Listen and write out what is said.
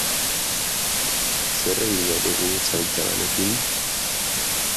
Zer egingo dugu zaintza lanekin?